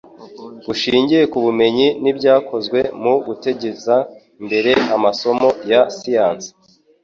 bushingiye ku bumenyi n'ibyakozwe mu guteza imbere amasomo ya siyansi